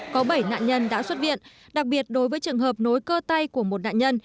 có bảy nạn nhân đã xuất viện đặc biệt đối với trường hợp nối cơ tay của một nạn nhân